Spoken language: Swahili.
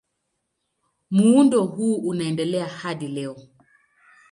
Muundo huu unaendelea hadi leo.